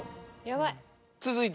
やばい。